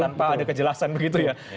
tanpa ada kejelasan begitu ya